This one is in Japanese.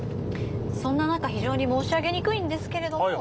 そんな中非常に申し上げにくいんですけれどもはいはい。